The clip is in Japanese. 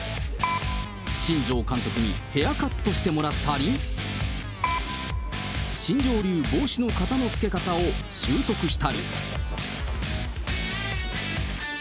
新庄監督にヘアカットしてもらったり、新庄流帽子の型のつけ方を習得したり。